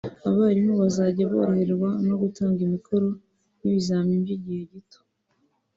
abarimu bazajya boroherwa no gutanga imikoro n’ibizamini by’igihe gito